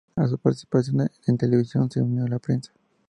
A su participación en televisión se unió la prensa.